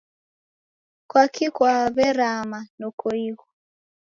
Kwaki kwaw'erama nokoighu?